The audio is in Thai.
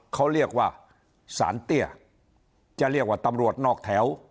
เขาเรียกว่าสารเตี้ยจะเรียกว่าตำรวจนอกแถว